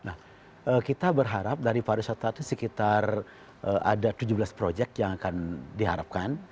nah kita berharap dari pariwisata itu sekitar ada tujuh belas proyek yang akan diharapkan